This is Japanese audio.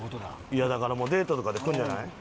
いやだからもうデートとかで来るんじゃない？